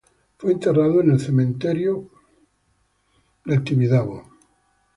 Fue enterrado en el cementerio de Oak Grove.